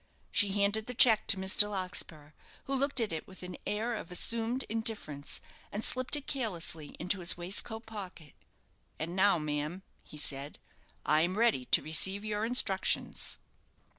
She handed the cheque to Mr. Larkspur, who looked at it with an air of assumed indifference, and slipped it carelessly into his waistcoat pocket. "And now, ma'am," he said, "I am ready to receive your instructions."